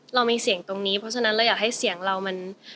เรามีเสียงตรงนี้เพราะฉะนั้นเราอยากให้เสียงเรามัน